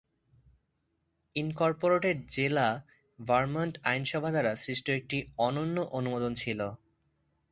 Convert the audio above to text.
Incorporated জেলা Vermont আইনসভা দ্বারা সৃষ্ট একটি অনন্য অনুমোদন ছিল।